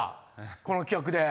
この企画で。